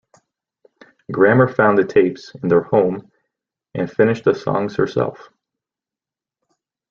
Grammer found the tapes in their home and finished the songs herself.